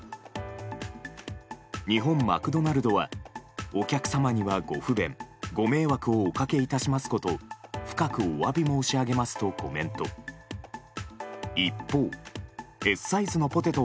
日本マクドナルドはお客様にはご不便、ご迷惑をおかけいたしますこと深くお詫び申し上げますとコメント。